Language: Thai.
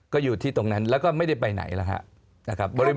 ก็อยู่ที่ตรงนั้นแล้วก็ไม่ได้ไปไหนแล้วครับ